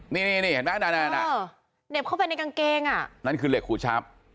ค่ะนี่เห็นมั้ยเหน็บเข้าไปในกางเกงนั่นคือเหล็กขูดชาร์ฟ